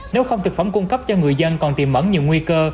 nếu không thực phẩm cung cấp cho người dân còn tiềm mẫn nhiều nguy cơ